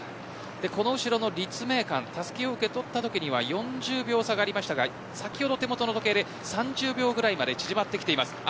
この後の立命館、たすきを受け取ったときには４０秒差がありましたが先ほど手元の時計で３０秒ぐらいまで縮まってきています。